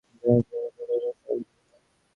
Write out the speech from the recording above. সেখানে কোন প্রকার কষ্ট না দিলেই হইল।